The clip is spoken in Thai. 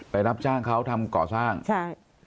รับจ้างเขาทำก่อสร้างใช่